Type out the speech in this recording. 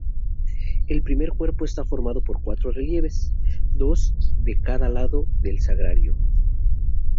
El primer cuerpo está formado por cuatro relieves, dos a cada lado del sagrario.